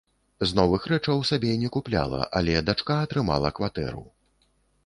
З новых рэчаў сабе не купляла, але дачка атрымала кватэру.